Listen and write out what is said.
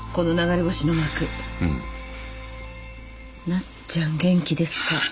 「なっちゃん元気ですか？」